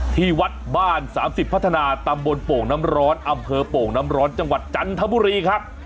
ที่วัดบ้าน๓๐พัฒนาตำบลโป่งน้ำร้อนอำเภอโป่งน้ำร้อนจังหวัดจันทบุรีครับ